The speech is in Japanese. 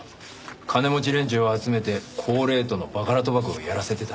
金持ち連中を集めて高レートのバカラ賭博をやらせてた。